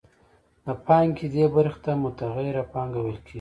د پانګې دې برخې ته متغیره پانګه ویل کېږي